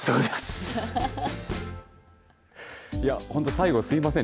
最後すみません。